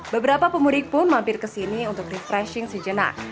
beberapa pemudik pun mampir ke sini untuk refreshing sejenak